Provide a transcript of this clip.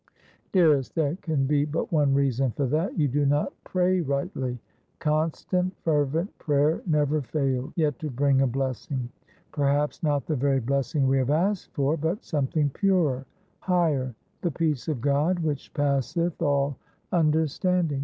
' Dearest, there can be but one reason for that. You do not pray rightly. Constant, fervent prayer never failed yet to bring a blessing : perhaps not the very blessing we have asked for, but something purer, higher — the peace of G od which passeth all understanding.